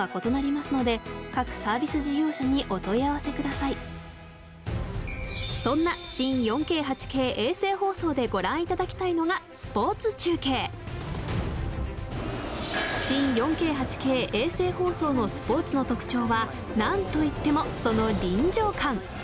続いてそんな新４Ｋ８Ｋ衛星放送でご覧いただきたいのが新４Ｋ８Ｋ衛星放送のスポーツの特徴は何と言ってもその臨場感！